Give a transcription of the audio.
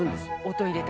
音入れて。